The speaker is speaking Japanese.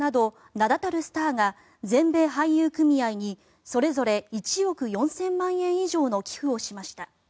名立たるスターが全米俳優組合にそれぞれ１億４０００万円以上の寄付をしました。